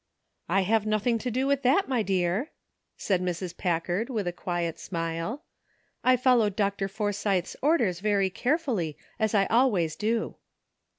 ''I have nothing to do with that, my dear," said Mrs. Packard, with a quiet smile. " I fol lowed Dr. Forsythe's orders very carefully, as I always do."